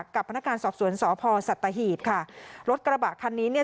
พนักงานสอบสวนสพสัตหีบค่ะรถกระบะคันนี้เนี่ย